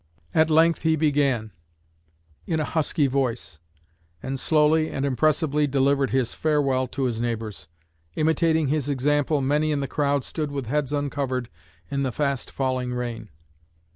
At length he began, in a husky voice, and slowly and impressively delivered his farewell to his neighbors. Imitating his example, many in the crowd stood with heads uncovered in the fast falling rain."